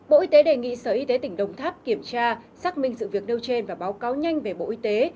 bộ y tế đề nghị sở y tế tỉnh đồng tháp kiểm tra xác minh sự việc nêu trên và báo cáo nhanh về bộ y tế